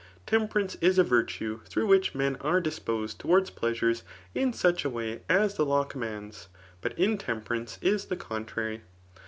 Temperance is a virtue through which men are disposed towards pleasures in such a way as the law com mands J but intemperance is the contrary.